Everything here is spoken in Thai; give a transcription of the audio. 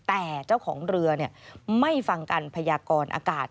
แต่เจ้าของเรือไม่ฟังการพยากรอากาศ